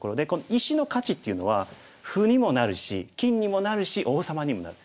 石の価値っていうのは歩にもなるし金にもなるし王様にもなる。